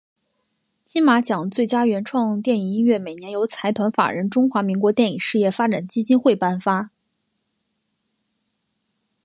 金马奖最佳原创电影音乐每年由财团法人中华民国电影事业发展基金会颁发。